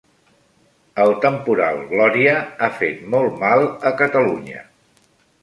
El temporal Glòria ha fet molt mal a Catalunya